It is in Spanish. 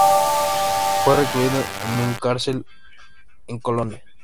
Fue recluido en una cárcel en Colonia.